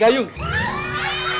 kau harus dimusnahkan